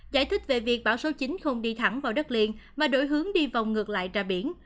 giải thích về việc bão số chín không đi thẳng vào đất liền mà đổi hướng đi vòng ngược lại ra biển